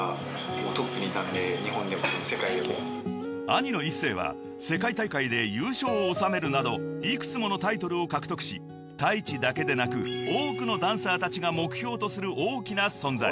［兄のＩＳＳＥＩは世界大会で優勝を収めるなど幾つものタイトルを獲得しＴａｉｃｈｉだけでなく多くのダンサーたちが目標とする大きな存在］